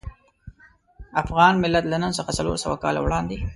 افغان ملت له نن څخه څلور سوه کاله وړاندې.